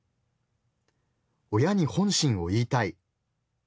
「親に本心を言いたい。